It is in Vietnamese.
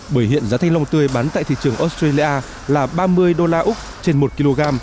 bởi hiện giá thanh long tươi bán tại thị trường australia là ba mươi đô la úc trên một kg